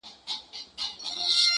o اوړه يو مټ نه لري، تنورونه ئې شل دي!